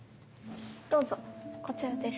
どうぞこちらです。